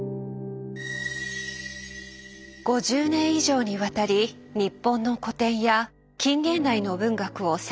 ５０年以上にわたり日本の古典や近現代の文学を世界に紹介してきました。